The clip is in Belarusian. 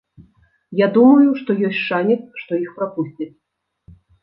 Я думаю, што ёсць шанец, што іх прапусцяць.